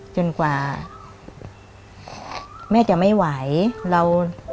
จนกว่าแม่จะไม่ไหวเรา